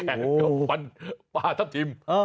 แขนกับปันป่าทับจิบ